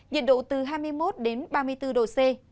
nhiệt độ từ hai mươi một đến ba mươi bốn độ c